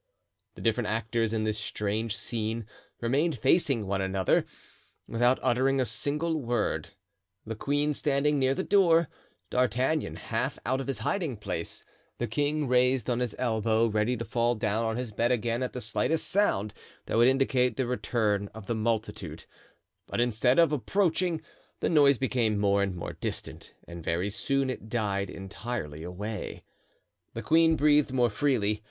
The different actors in this strange scene remained facing one another, without uttering a single word; the queen standing near the door, D'Artagnan half out of his hiding place, the king raised on his elbow, ready to fall down on his bed again at the slightest sound that would indicate the return of the multitude, but instead of approaching, the noise became more and more distant and very soon it died entirely away. The queen breathed more freely.